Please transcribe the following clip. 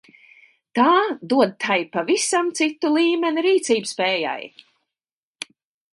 Tā dod tai pavisam citu līmeni rīcībspējai!